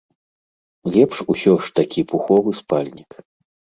Лепш усё ж такі пуховы спальнік.